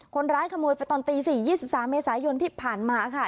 คนร้ายขโมยไปตอนตี๔๒๓เมษายนที่ผ่านมาค่ะ